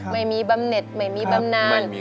ไม่มีบำเน็ตไม่มีบำนาน